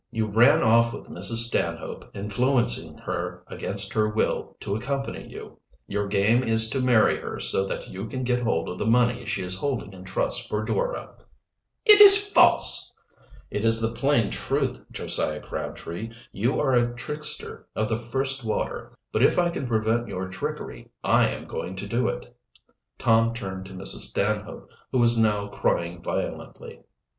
You ran off with Mrs. Stanhope, influencing her against her will to accompany you. Your game is to marry her so that you can get hold of the money she is holding in trust for Dora " "It is false!" "It is the plain truth. Josiah Crabtree, you are a trickster of the first water, but if I can prevent your trickery I am going to do it." Tom turned to Mrs. Stanhope, who was now crying violently.